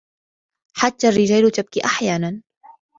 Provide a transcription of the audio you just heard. حتى الرجال تبكي أحيانا.